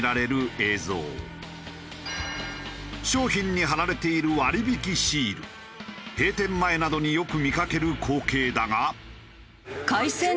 商品に貼られている閉店前などによく見かける光景だが。